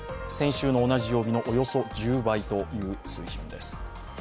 先週の同じ曜日のおよそ１０倍という水準です。